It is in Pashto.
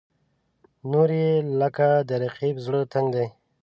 نورې یې لکه د رقیب زړه تنګ دي.